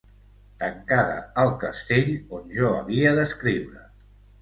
Tancada al castell, on jo havia d’escriure.